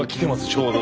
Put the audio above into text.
ちょうど。